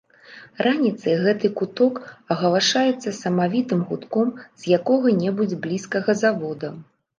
Раніцай гэты куток агалашаецца самавітым гудком з якога-небудзь блізкага завода.